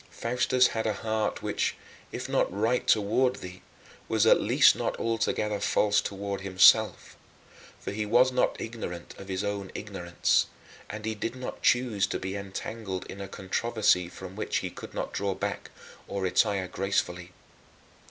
Faustus had a heart which, if not right toward thee, was at least not altogether false toward himself; for he was not ignorant of his own ignorance, and he did not choose to be entangled in a controversy from which he could not draw back or retire gracefully.